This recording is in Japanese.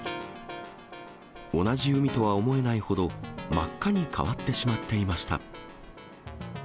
同じ海とは思えないほど、真っ赤に変わってしまっていました。